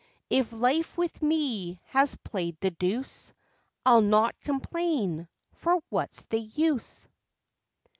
If life with me has played the deuce, I'll not complain, for what's the use?